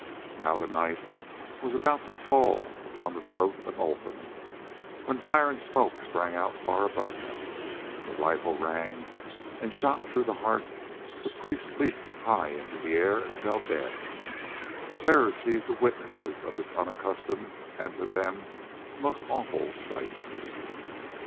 Now the knife was about to fall upon the throat of Olfan, when fire and smoke sprang out far above him, the rifle rang, and, shot through the heart, the priest leaped high into the air and fell dead. Terror seized the witnesses of this unaccustomed and, to them, most awful sight.